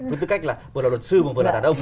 với tư cách là vừa là luật sư mà vừa là đàn ông